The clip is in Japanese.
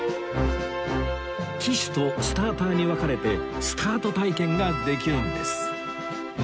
騎手とスターターに分かれてスタート体験ができるんです